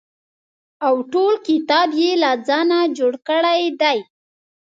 او ټول کتاب یې له ځانه جوړ کړی دی.